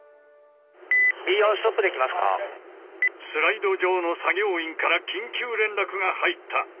スライド上の作業員から緊急連絡が入った。